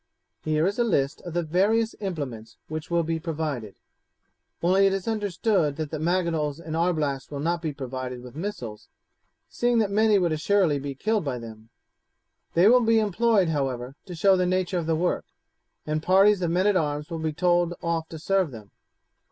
Here is a list of the various implements which will be provided, only it is understood that the mangonels and arblasts will not be provided with missiles, seeing that many would assuredly be killed by them. They will be employed, however, to show the nature of the work, and parties of men at arms will be told off to serve them.